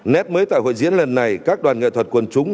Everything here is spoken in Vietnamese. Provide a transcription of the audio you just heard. nét mới tại hội diễn lần này các đoàn nghệ thuật quần chúng